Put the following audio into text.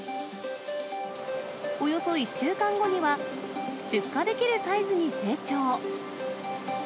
およそ１週間後には、出荷できるサイズに成長。